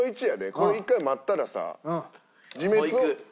これ１回待ったらさ。